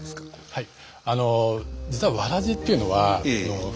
はい。